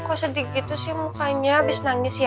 kok sedih gitu sih mukanya habis nangis ya